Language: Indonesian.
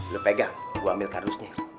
lo pegang gue ambil karusnya